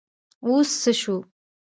اوس څه شو ؟